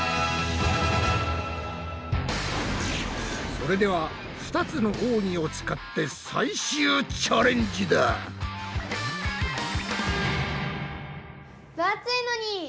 それでは２つの奥義を使って最終チャレンジだ！ぶ厚いのに！